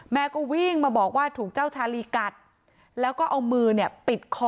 แม่ก็วิ่งมาบอกว่าถูกเจ้าชาลีกัดแล้วก็เอามือเนี่ยปิดคอ